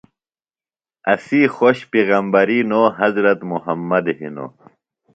اسی خوش پیغمبری نو حضرت مُحمد ہِنوۡ۔